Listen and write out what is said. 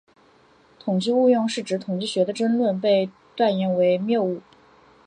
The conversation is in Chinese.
统计误用是指统计学的争论被断言为谬误。